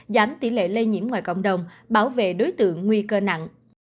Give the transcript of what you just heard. giảm tỷ lệ lây nhiễm ngoài cộng đồng bảo vệ đối tượng nguy cơ nặng